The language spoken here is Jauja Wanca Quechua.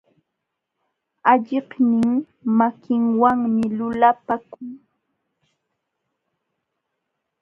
Alliqnin makinwanmi lulapakun.